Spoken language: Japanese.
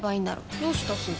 どうしたすず？